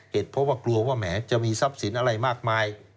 เพราะว่ากลัวว่าแหมจะมีทรัพย์สินอะไรมากมาย